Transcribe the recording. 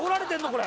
これ。